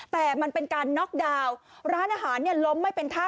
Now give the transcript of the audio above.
แต่มันเป็นการน็อกดาวน์ร้านอาหารเนี่ยล้มไม่เป็นท่า